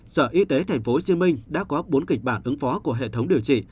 sở y tế tp hcm đã có bốn kịch bản ứng phó của hệ thống điều trị